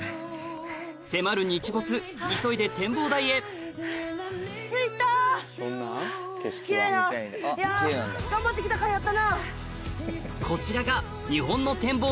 迫る日没急いで展望台へこちらが日本の展望